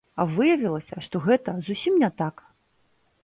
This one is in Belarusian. Выявілася, што гэта зусім не так.